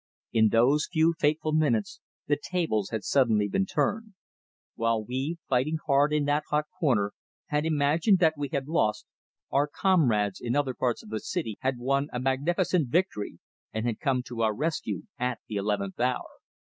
In those few fateful minutes the tables had suddenly been turned. While we, fighting hard in that hot corner, had imagined that we had lost, our comrades in other parts of the city had won a magnificent victory, and had come to our rescue at the eleventh hour.